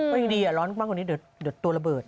ก็อยู่ดีร้อนมากกว่านี้เดี๋ยวตัวระเบิด